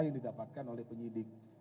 yang didapatkan oleh penyidik